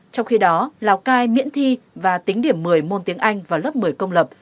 trong khi đó lào cai miễn thi và tính điểm một mươi môn tiếng anh vào lớp một mươi công lập